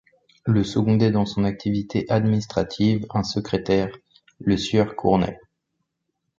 Le secondait dans son activité administrative un secrétaire, le sieur Cournay.